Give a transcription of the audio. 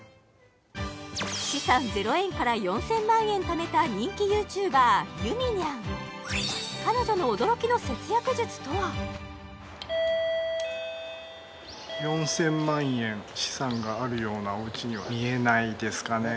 資産０円から４０００万円ためた人気ＹｏｕＴｕｂｅｒゆみにゃん彼女の４０００万円資産があるようなおうちには見えないですかね